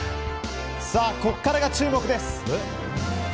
ここからが注目です。